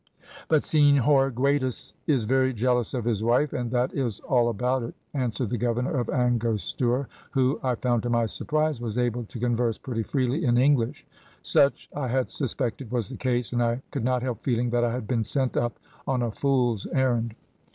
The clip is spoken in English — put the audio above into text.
"`But Senhor Guedes is very jealous of his wife, and that is all about it,' answered the governor of Angostura, who, I found to my surprise, was able to converse pretty freely in English. Such, I had suspected, was the case, and I could not help feeling that I had been sent up on a fool's errand.